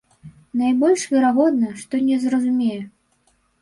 Найбольш верагодна, што не зразумее.